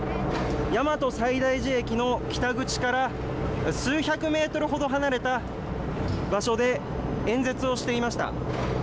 大和西大寺駅の北口から数百メートルほど離れた場所で演説をしていました。